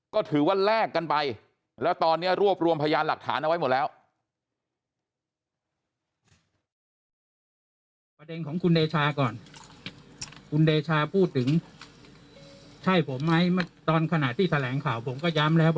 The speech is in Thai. ก็ถือว่าแลกกันไปแล้วตอนนี้รวบรวมพยานหลักฐานเอาไว้หมดแล้ว